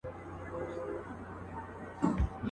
د دې قام په نصیب شپې دي له سبا څخه لار ورکه.